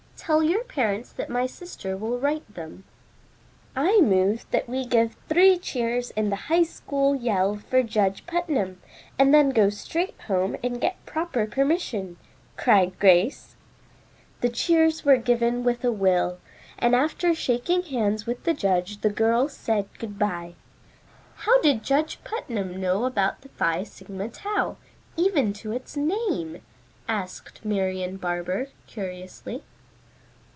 "Tell your parents that my sister will write them." "I move that we give three cheers and the High School yell for Judge Putnam, and then go straight home and get proper permission," cried Grace. The cheers were given with a will, and after shaking hands with the judge, the girls said good bye. "How did Judge Putnam know about the Phi Sigma Tau; even to its name?" asked Marian Barber curiously.